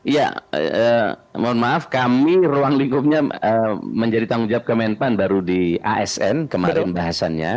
ya mohon maaf kami ruang lingkupnya menjadi tanggung jawab kemenpan baru di asn kemarin bahasannya